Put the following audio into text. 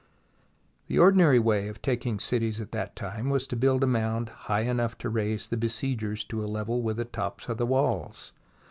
The ordinary way of taking cities at that time was to build a mound high enough to raise the besiegers to a level with the top of the walls.